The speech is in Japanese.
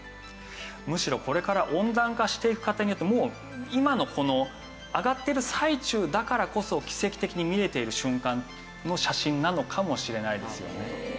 むしろこれから温暖化していく過程にあって今のこの上がっている最中だからこそ奇跡的に見れている瞬間の写真なのかもしれないですよね。